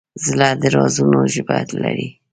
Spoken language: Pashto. زړه د رازونو ژبه لري.